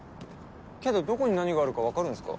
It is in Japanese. けどどこに何があるか分かるんすか？